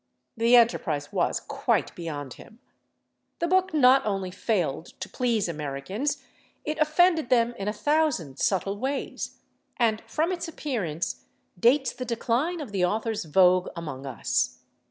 The enterprise was quite beyond him. The book not only failed to please Americans; it offended them in a thousand subtle ways, and from its appearance dates the decline of the author's vogue among us.